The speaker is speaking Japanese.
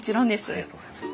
ありがとうございます。